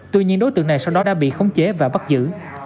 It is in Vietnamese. tuy nhiên đối tượng này sau đó đã bị khống chế và bắt giữ